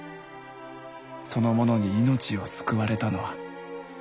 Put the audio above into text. その者に命を救われたのは」。